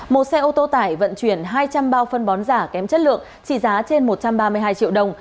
một xe ô tô tải vận chuyển hai trăm linh bao phân bón giả kém chất lượng trị giá trên một trăm ba mươi hai triệu đồng